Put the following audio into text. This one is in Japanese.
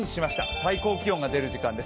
最高気温が出る時間です。